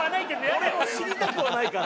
俺も死にたくはないから。